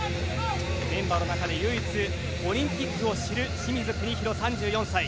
メンバーの中で唯一オリンピックを知る清水邦広、３４歳。